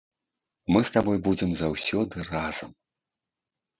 Мы з табой будзем заўсёды разам.